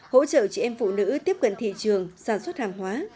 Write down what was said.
hỗ trợ chị em phụ nữ tiếp cận thị trường sản xuất hàng hóa